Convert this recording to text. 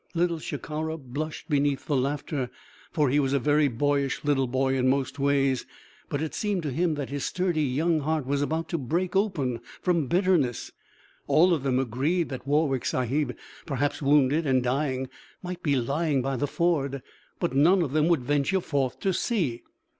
Little Shikara blushed beneath the laughter. For he was a very boyish little boy in most ways. But it seemed to him that his sturdy young heart was about to break open from bitterness. All of them agreed that Warwick Sahib, perhaps wounded and dying, might be lying by the ford, but none of them would venture forth to see.